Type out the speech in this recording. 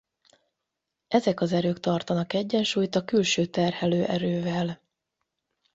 Ezek az erők tartanak egyensúlyt a külső terhelő erővel.